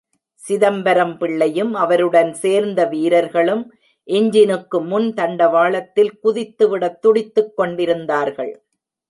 சிதம்பரம் பிள்ளையும் அவருடன் சேர்ந்த வீரர்களும் இஞ்சினுக்கு முன் தண்டவாளத்தில் குதித்து விட துடித்துக் கொண்டிருந்தார்கள்.